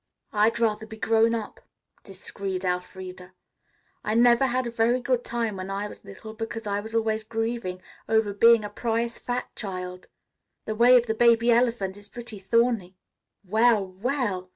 "I'd rather be grown up," disagreed Elfreda. "I never had a very good time when I was little, because I was always grieving over being a prize fat child. The way of the baby elephant is pretty thorny. Well, well!"